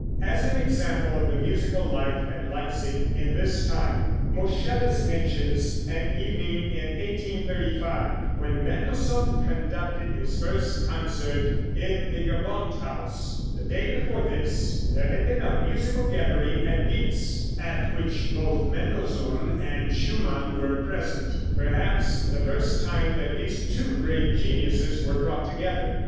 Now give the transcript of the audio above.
As an example of the musical life at Leipsic in this time, Moscheles mentions an evening in 1835, when Mendelssohn conducted his first concert in the Gewandhaus; the day before this there had been a musical gathering at Wieck's, at which both Mendelssohn and Schumann were present, perhaps the first time that these two great geniuses were brought together.